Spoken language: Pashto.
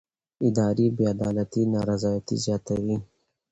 اداري بې عدالتي نارضایتي زیاتوي